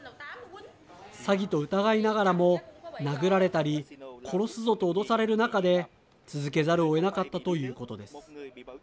詐欺と疑いながらも殴られたり殺すぞと脅される中で続けざるをえなかったということです。